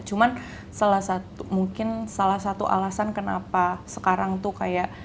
cuma mungkin salah satu alasan kenapa sekarang tuh kayak